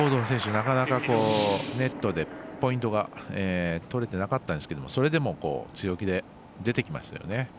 なかなかネットでポイントが取れてなかったんですけどそれでも、強気で出てきますよね。